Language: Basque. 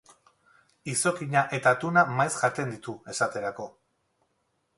Izokina eta atuna maiz jaten ditu, esaterako.